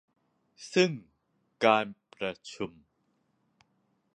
ซึ่งการประชุม